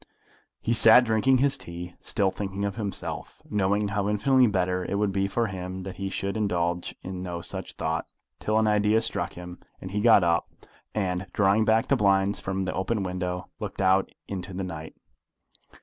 He sat drinking his tea, still thinking of himself, knowing how infinitely better it would be for him that he should indulge in no such thought, till an idea struck him, and he got up, and, drawing back the blinds from the open window, looked out into the night.